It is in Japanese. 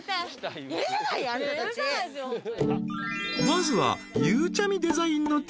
［まずは］